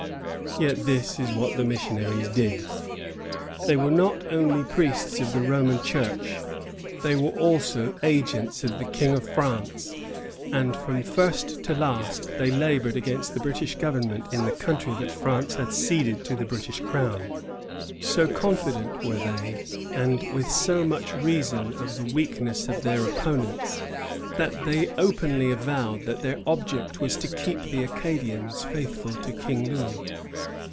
Yet this is what the missionaries did. They were not only priests of the Roman Church, they were also agents of the King of France; and from first to last they labored against the British government in the country that France had ceded to the British Crown. So confident were they, and with so much reason, of the weakness of their opponents that they openly avowed that their object was to keep the Acadians faithful to King Louis.